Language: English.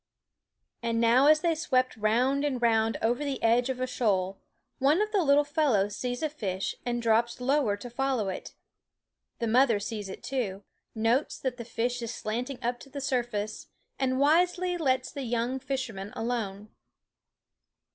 And now as they sweep round and round over the edge of a shoal, one of the little fellows sees a fish and drops lower to follow it. The mother sees it too ; notes that thel fish is slanting up to the surface, and wisely lets the young fisherman alone.